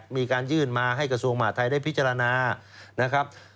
มีการยื่นมาให้กระทรวงมหาทัยได้พิจารณานะครับ